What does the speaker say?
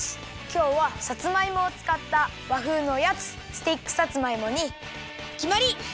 きょうはさつまいもをつかったわふうのおやつスティックさつまいもにきまり！